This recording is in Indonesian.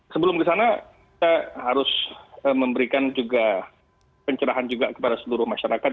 sebelum kesana kita harus memberikan juga pencerahan juga kepada seluruh masyarakat